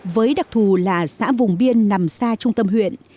với đặc thù là xã vùng biên nằm xa trung tâm huyện